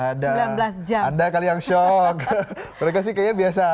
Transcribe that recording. ada ada kali yang syok mereka sih kayaknya biasa